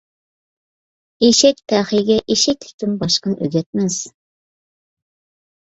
ئېشەك تەخىيىگە ئېشەكلىكتىن باشقىنى ئۆگەتمەس.